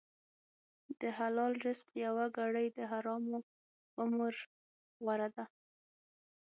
د حلال رزق یوه ګړۍ د حرامو عمره غوره ده.